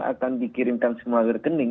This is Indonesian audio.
akan dikirimkan semua rekening